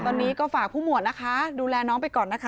ตอนนี้ก็ฝากผู้หมวดนะคะดูแลน้องไปก่อนนะคะ